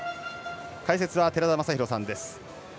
解説は寺田雅裕さんです。